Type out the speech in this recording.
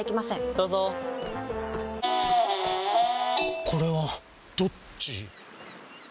どうぞこれはどっち？